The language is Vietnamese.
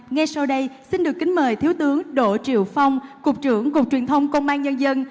ngay sau đây xin được kính mời thiếu tướng đỗ triệu phong cục trưởng cục truyền thông công an nhân dân